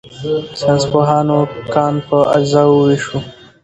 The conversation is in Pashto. ساینسپوهانو کان په اجزاوو وویشو.